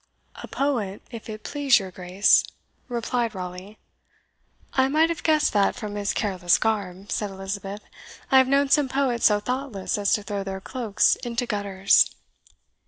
"A poet, if it please your Grace," replied Raleigh. "I might have guessed that from his careless garb," said Elizabeth. "I have known some poets so thoughtless as to throw their cloaks into gutters."